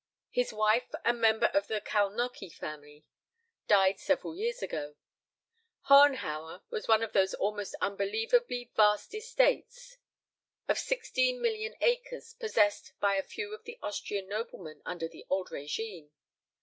His wife, a member of the Kalnóky family, died several years ago. "Hohenhauer" was one of those almost unbelievably vast estates of sixteen million acres possessed by a few of the Austrian noblemen under the old régime.